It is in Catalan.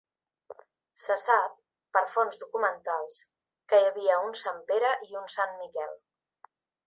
Se sap, per fonts documentals, que hi havia un Sant Pere i un Sant Miquel.